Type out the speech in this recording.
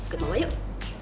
ke mama yuk